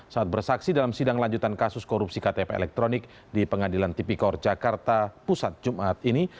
saat bersaksi dalam sidang lanjutan kasus korupsi ktp elektronik di pengadilan tipikor jakarta pusat jumat ini